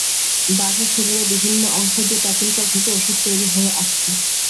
বাঘের শরীরের বিভিন্ন অংশ দিয়ে প্রাচীনকাল থেকে ওষুধ তৈরি হয়ে আসছে।